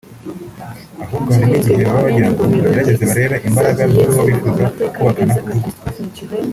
ahubwo hari n’igihe baba bagirango bagerageze barebe imbaraga z’uwo bifuza kubakana urugo